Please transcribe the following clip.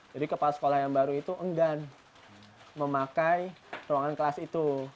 jadi kepala sekolah yang baru itu enggan memakai ruangan kelas itu